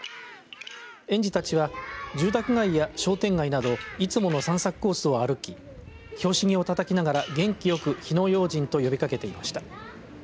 園児たちは住宅街や商店街などいつもの散策コースを歩き拍子木をたたきながら元気よく火の用心と呼びかけていました。